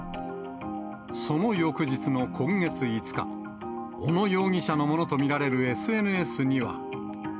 その翌日の今月５日、小野容疑者のものと見られるＳＮＳには。